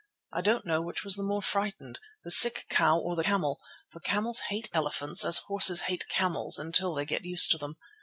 I don't know which was the more frightened, the sick cow or the camel, for camels hate elephants as horses hate camels until they get used to them.